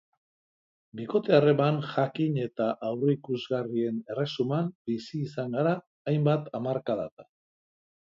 Bikote-harreman jakin eta aurreikusgarrien erresuman bizi izan gara hainbat hamarkadatan.